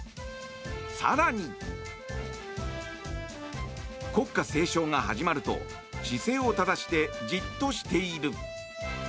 更に、国歌斉唱が始まると姿勢を正して、じっとしている。